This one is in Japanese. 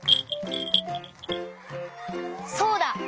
そうだ！